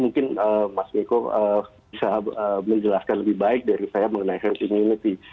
mungkin mas miko bisa menjelaskan lebih baik dari saya mengenai herd immunity